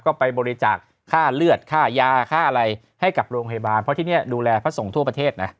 ก็ไปบริจาคค่าเลือดค่ายาค่าอะไรให้กับโรงพยาบาลเพราะที่นี่ดูแลพระสงฆ์ทั่วประเทศนะ